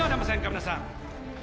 皆さん。